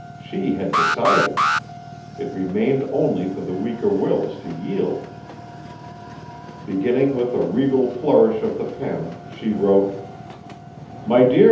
She had decided. It remained only for weaker wills to yield. Beginning with a regal flourish of the pen, she wrote: "MY DEAR MR.